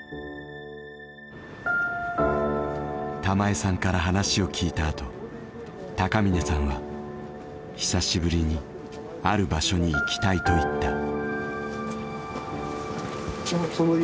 玉枝さんから話を聞いた後高峰さんは「久しぶりにある場所に行きたい」と言った。